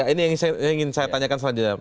ini yang ingin saya tanyakan selanjutnya